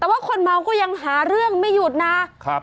แต่ว่าคนเมาก็ยังหาเรื่องไม่หยุดนะครับ